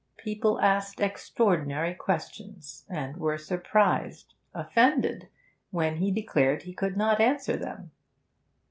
People asked extraordinary questions, and were surprised, offended, when he declared he could not answer them.